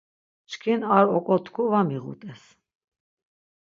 Çkin ar oǩotku va miğut̆es.